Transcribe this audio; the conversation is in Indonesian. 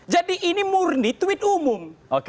jadi ini murni tweet umum